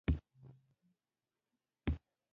بارنس په لومړۍ مرکه کې شراکت تر لاسه نه کړ.